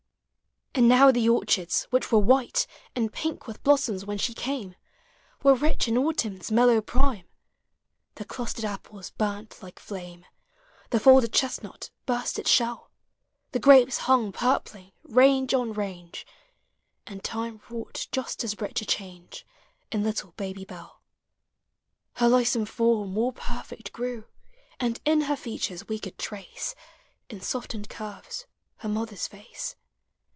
And now the orchards, which were white And pink with blossoms when she came, Were rich in autumn's mellow prime; The clustered apples burnt like flame, The folded chestnut burst its shell, The grapes hung purpling, range on range; And time wrought just as rich a change In little Baby Bell. Her lissome form more perfect grew, ,And in her features we could trace, ABOUT CHILDREN. In softened curves, her mother's face.